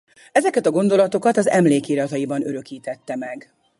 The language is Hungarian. Ezeket a gondolatokat az emlékirataiban örökítette meg.